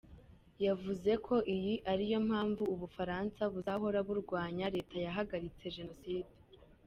Yavuze ko iyi ariyo mpamvu u Bufaransa buzahora burwanya Leta yahagaritse Jenoside.